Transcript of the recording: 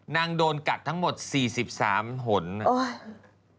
นางโดนกัด๔๓หล่น